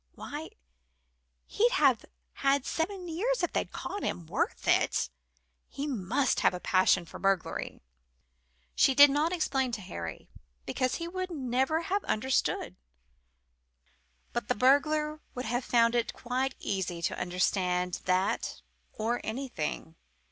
Why, he'd have had seven years if they'd caught him worth it? He must have a passion for burglary." She did not explain to Harry, because he would never have understood. But the burglar would have found it quite easy to understand that or anything.